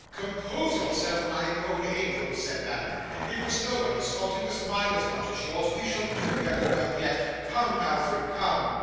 'Compose yourself, my own angel,' said Madame. 'It was nobody's fault; it was mine as much as yours, we shall do very well yet. Come, Alfred, come.